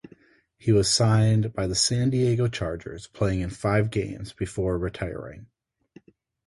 He was signed by the San Diego Chargers, playing in five games before retiring.